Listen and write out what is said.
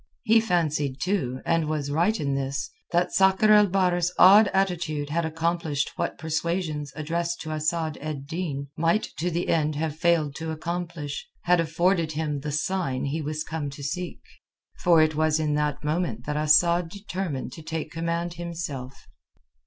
He fancied too, and he was right in this, that Sakr el Bahr's odd attitude had accomplished what persuasions addressed to Asad ed Din might to the end have failed to accomplish—had afforded him the sign he was come to seek. For it was in that moment that Asad determined to take command himself.